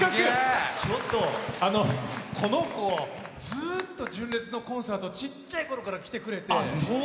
この子、ずっと純烈のコンサートちっちゃいころから来てくれて。